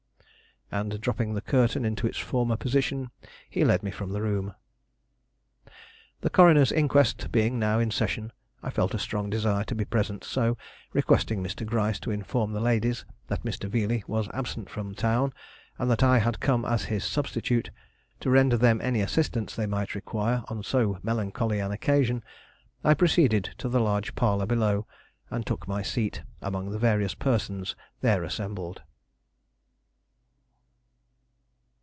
And dropping the curtain into its former position he led me from the room. The coroner's inquest being now in session, I felt a strong desire to be present, so, requesting Mr. Gryce to inform the ladies that Mr. Veeley was absent from town, and that I had come as his substitute, to render them any assistance they might require on so melancholy an occasion, I proceeded to the large parlor below, and took my seat among the various persons there assembled.